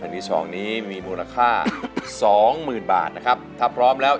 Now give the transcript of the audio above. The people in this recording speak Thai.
ทีนี้มีมูลค่า๒๐๐๐๐บาทถ้าพร้อมแล้ว